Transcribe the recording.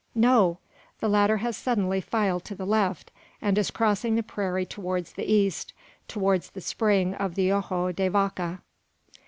No! The latter has suddenly filed to the left, and is crossing the prairie towards the east, towards the spring of the Ojo de Vaca.